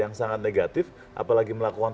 yang sangat negatif apalagi melakukan